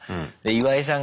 岩井さん